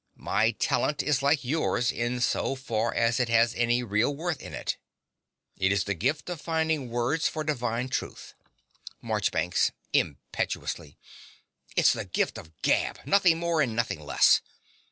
My talent is like yours insofar as it has any real worth at all. It is the gift of finding words for divine truth. MARCHBANKS (impetuously). It's the gift of the gab, nothing more and nothing less.